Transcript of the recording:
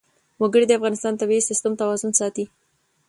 وګړي د افغانستان د طبعي سیسټم توازن ساتي.